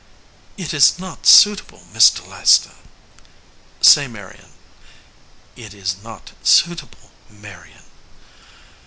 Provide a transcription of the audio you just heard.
"It is not suitable, Mr. Leicester." "Say Marion." "It is not suitable, Marion."